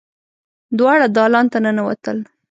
دواړه دالان ته ننوتل.